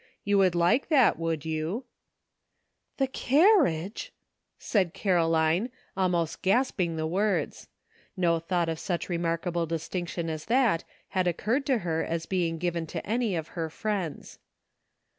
You would like that, would you?" 271 272 ENTERTAINING COMPANY. ''The carriage !" said Caroline, almost gasp ing the words. No thought of such remarkable distinction as that had occurred to her as being given to any of her friends.